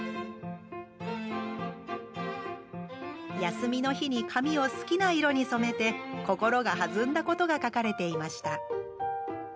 休みの日に髪を好きな色に染めて心が弾んだことが書かれていました。